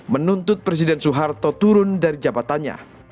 menuntut presiden soeharto turun dari jabatannya